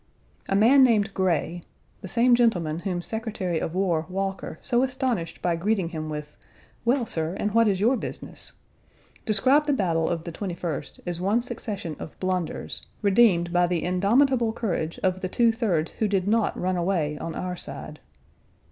A man named Grey (the same gentleman whom Secretary of War Walker so astonished by greeting him with, "Well, sir, and what is your business?") described the battle of the 21st as one succession of blunders, redeemed by the indomitable courage of the two thirds who did not run away on our side.